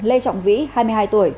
lê trọng vĩ hai mươi hai tuổi